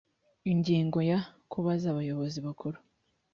ingingo ya kubaza abayobozi bakuru